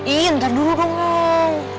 iya ntar dulu dong nyam